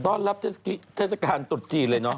ตอนรับทัชโพเชฟารรถดจีจเลยเนอะ